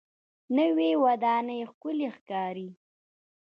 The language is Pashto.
نوې ودانۍ ښکلې ښکاري